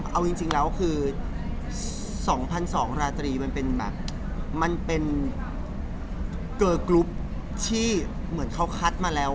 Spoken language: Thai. เอาจริงแล้วคือ๒๒๐๐ราตรีมันเป็นแบบมันเป็นเกอร์กรุ๊ปที่เหมือนเขาคัดมาแล้ว